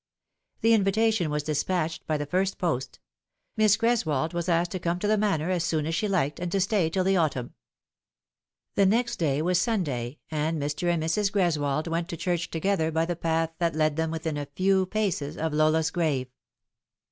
The invitation was despatched by the first post ; Miss Gres wold was asked to come to the Manor as soon as she liked, and to stay till the autumn. The next day was Sunday, and Mr. and Mrs. Greswold went to church together by the path that led them within a few paces of Lola's grave.